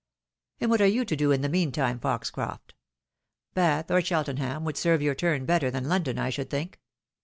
And what are you to do in the meaiitime, Foxcroft? Bath or Cheltenham woiild serve your turn better than London, I should think."